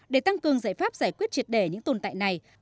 để tăng cường giải pháp giải quyết triệt đề những tồn tại này